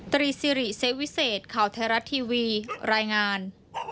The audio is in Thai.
ตรีซิริเซวิเศษข่าวไทยรัฐทีวีรายงาน